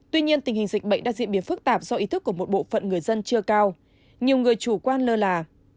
tuy nhiên tình hình dịch bệnh đã diễn biến phức tạp do ý thức của một bộ phận người dân chưa cao nhiều người chủ quan lơ là